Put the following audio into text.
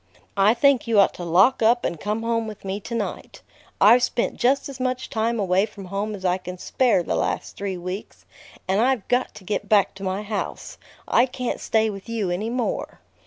I think you ought to lock up and come home with me to night. I've spent just as much time away from home as I can spare the last three weeks, and I've got to get back to my house. I can't stay with you any more."